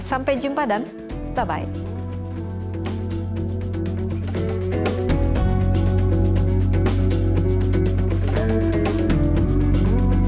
sampai jumpa dan bye